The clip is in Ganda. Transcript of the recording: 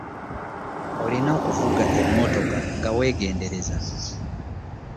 Olina okuvuga emmotoka nga weegendereza.